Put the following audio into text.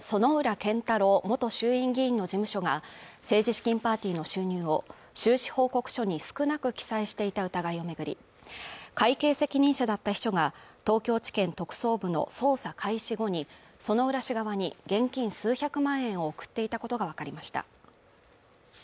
健太郎元衆院議員の事務所が政治資金パーティーの収入を収支報告書に少なく記載していた疑いを巡り会計責任者だった秘書が東京地検特捜部の捜査開始後に薗浦氏側に現金数百万円を送っていたことが分かりました